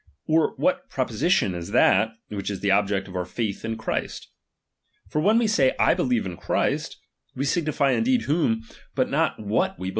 Or what pro position is that, which is the object of our faith in Christ ? For when we say, / believe in Christ, we indeed whom, but not what we believe.